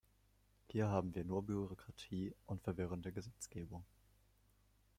Hier haben wir nur Bürokratie und verwirrende Gesetzgebung.